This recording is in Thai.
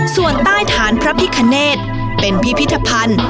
ส่วนใต้ฐานพระพิคเนธเป็นพิพิธภัณฑ์